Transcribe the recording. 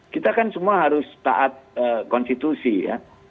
kita kan semua harus taat konstitusi ya